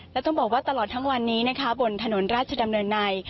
และต้องบอกว่าตลอดทั้งวันนี้นะคะบนถนนราชดำเนินใน